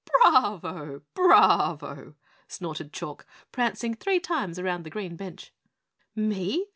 "Bravo! Bravo!" snorted Chalk, prancing three times round the green bench. "Me?